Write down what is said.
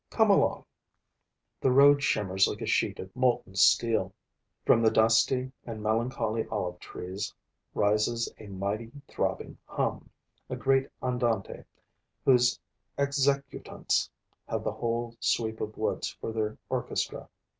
Come along! The road shimmers like a sheet of molten steel. From the dusty and melancholy olive trees rises a mighty, throbbing hum, a great andante whose executants have the whole sweep of woods for their orchestra.